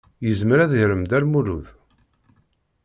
Yezmer ad yarem Dda Lmulud?